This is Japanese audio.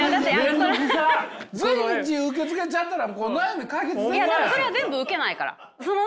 それは全部受けないから。